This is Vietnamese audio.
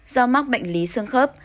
năm do mắc bệnh lý xương khớp